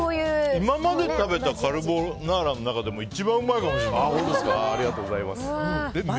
今まで食べたカルボナーラの中でも一番うまいかもしれない。